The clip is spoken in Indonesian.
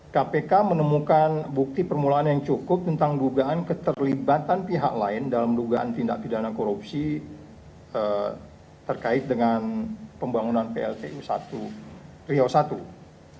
kpk menemukan bukti permulaan yang cukup tentang dugaan keterlibatan pihak lain dalam dugaan tindak pidana korupsi terkait dengan pembangunan pltu riau i